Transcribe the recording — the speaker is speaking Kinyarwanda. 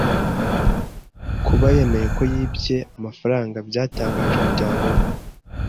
Kuba yemeye ko yibye amafaranga byatangaje umuryango we.